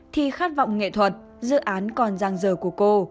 thì khát vọng nghệ thuật dự án còn giang dở của cô